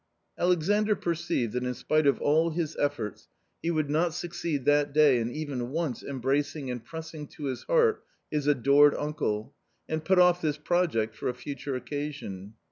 ^ Alexandr perceived that in spite of all his efforts he would |, n , not succeed that day in even once embracing and pressing !^. to his heart his adored uncle and put off this project for a ^\ future occasion.